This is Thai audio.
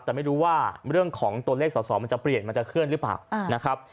แต่ไม่รู้ว่าเรื่องของตัวเลขสอสอมันจะเปลี่ยนมันจะเคลื่อนหรือเปล่านะครับ